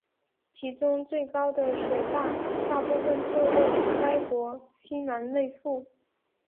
其中最高的水坝大部分坐落该国西南内腹。